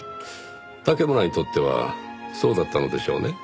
竹村にとってはそうだったのでしょうね。